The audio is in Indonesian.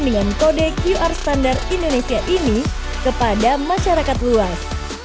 dengan kode qr standar indonesia ini kepada masyarakat luas